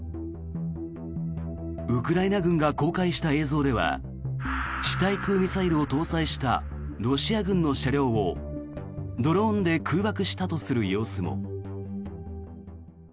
ウクライナ軍が公開した映像では地対空ミサイルを搭載したロシア軍の車両をドローンで空爆したとする様子も。